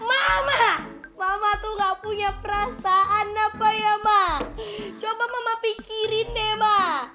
mama mama tuh gak punya perasaan apa ya ma coba mama pikirin nema